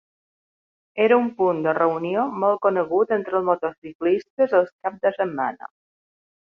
Era un punt de reunió molt conegut entre els motociclistes els caps de setmana.